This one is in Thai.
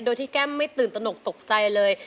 โดยที่แก้มไม่ตื่นตนกตกใจเลย